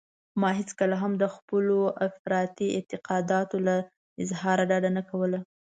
ما هېڅکله هم د خپلو افراطي اعتقاداتو له اظهاره ډډه نه کوله.